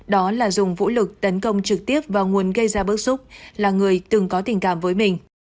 đó là dùng vũ lực tấn công trực tiếp vào nguồn gây ra bước xúc là người từng có tình cảm với mình